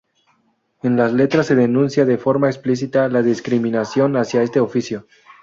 En las letras se denuncia de forma explícita la discriminación hacia este oficio.